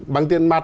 bằng tiền mặt